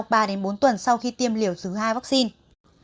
trong ba bốn tuần sau khi tiêm liều thứ hai vaccine